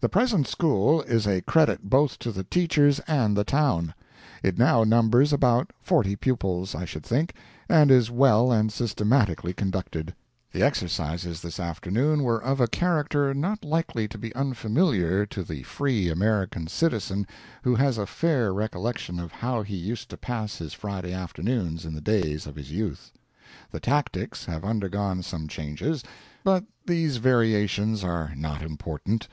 The present school is a credit both to the teachers and the town. It now numbers about forty pupils, I should think, and is well and systematically conducted. The exercises this afternoon were of a character not likely to be unfamiliar to the free American citizen who has a fair recollection of how he used to pass his Friday afternoons in the days of his youth. The tactics have undergone some changes, but these variations are not important.